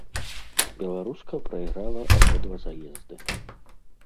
Беларуска прайграла абодва заезды.